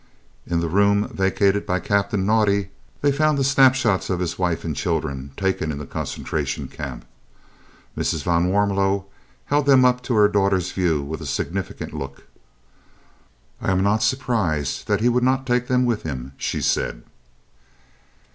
In the room vacated by Captain Naudé they found the snapshots of his wife and children taken in the Concentration Camp. Mrs. van Warmelo held them up to her daughter's view with a significant look. "I am not surprised that he would not take them with him," she said.